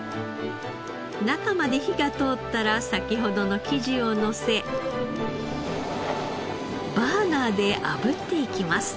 中まで火が通ったら先ほどの生地をのせバーナーで炙っていきます。